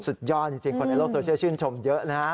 สุดยอดจริงคนในโลกโซเชียลชื่นชมเยอะนะฮะ